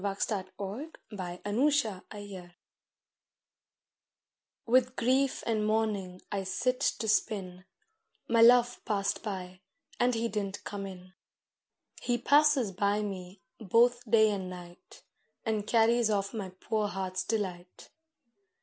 THE GIRL'S LAMENTATION With grief and mourning I sit to spin; My Love passed by, and he didn't come in; He passes by me, both day and night, And carries off my poor heart's delight.